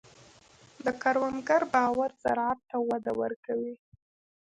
د کروندګر باور زراعت ته وده ورکوي.